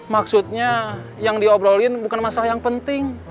maksudnya yang diobrolin bukan masalah yang penting